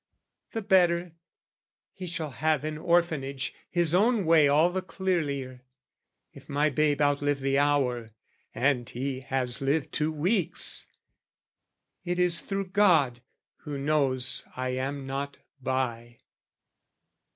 The better; He shall have in orphanage His own way all the clearlier: if my babe Outlive the hour and he has lived two weeks It is through God who knows I am not by.